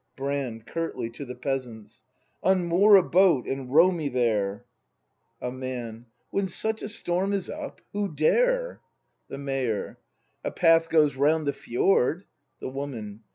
Brand. [Curtly, to the Peasants.] Unmoor a boat and row me there! 64 BRAND [act n A Man. When such a storm is up ? Who dare ? The Mayor. A path goes round the fjord The Woman.